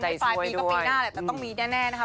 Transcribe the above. ปลายปีก็ปีหน้าแหละแต่ต้องมีแน่นะคะ